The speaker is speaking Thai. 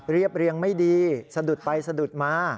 เรียบเรียงไม่ดีสะดุดไปสะดุดมา